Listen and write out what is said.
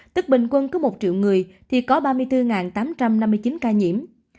tức bình quân có một triệu người thì có ba mươi bốn tám trăm năm mươi chín ca nhiễm